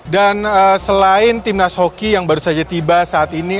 dan selain timnas hoki yang baru saja tiba saat ini